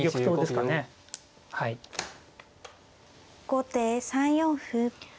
後手３四歩。